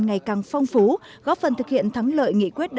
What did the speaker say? ngày càng phong phú góp phần thực hiện thắng lợi